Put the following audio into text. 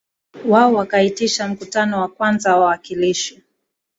wao wakaitisha mkutano wa kwanza wa wawakilishi